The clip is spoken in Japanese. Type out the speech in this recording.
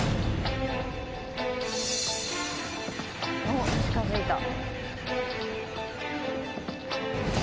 おっ近づいた。